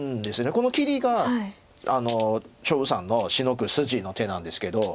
この切りが張栩さんのシノぐ筋の手なんですけど。